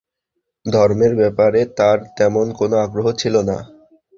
ধর্মের ব্যাপারে তার তেমন কোন আগ্রহ ছিল না।